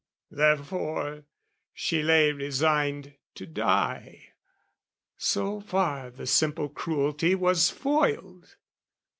Therefore she lay resigned to die, so far The simple cruelty was foiled.